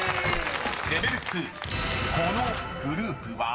［ＬＥＶＥＬ．２このグループは？］